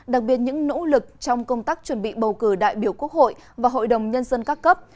đặc biệt những nỗ lực trong công tác chuẩn bị bầu cử đại biểu quốc hội và hội đồng nhân dân các cấp